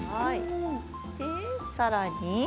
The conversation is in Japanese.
さらに？